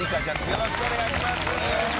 よろしくお願いします